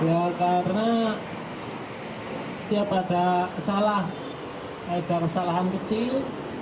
ya karena setiap ada kesalahan kecil